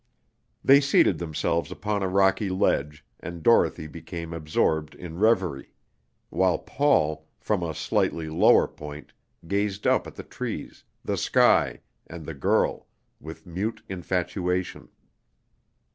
They seated themselves upon a rocky ledge, and Dorothy became absorbed in reverie; while Paul, from a slightly lower point, gazed up at the trees, the sky, and the girl, with mute infatuation.